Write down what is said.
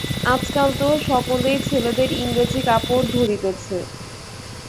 আজকাল তো সকলেই ছেলেদের ইংরেজি কাপড় ধরিয়েছে।